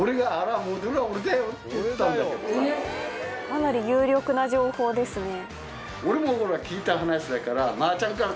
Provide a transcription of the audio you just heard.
かなり有力な情報ですね。